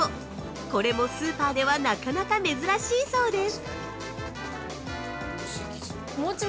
これもスーパーではなかなか珍しいそうです。